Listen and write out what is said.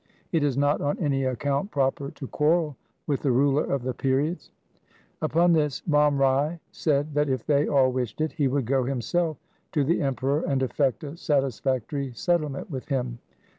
It is not on any account proper to quarrel with the ruler of the period.' Upon this Ram Rai said that if they all wished it, he would go himself to the Emperor and effect a satisfactory settlement with him.